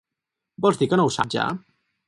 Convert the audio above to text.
Vols dir que no ho sap, ja?